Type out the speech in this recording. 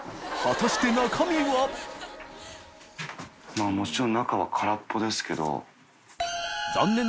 まぁもちろん中は空っぽですけど。